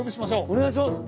お願いします。